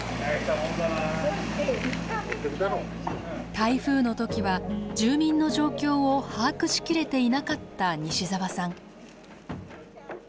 台風の時は住民の状況を把握しきれていなかった西澤さん。